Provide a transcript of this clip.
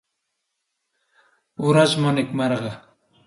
ورڅ مو نېکمرغه!